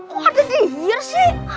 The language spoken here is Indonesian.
kok ada dihir sih